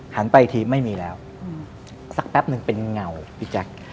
ไปอีกทีไม่มีแล้วสักแป๊บนึงเป็นเงาพี่แจ๊ค